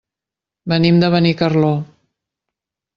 Venim de Benicarló.